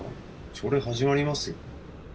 朝礼はじまりますよ。